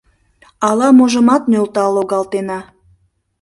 Ала-можымат нӧлтал логалтена.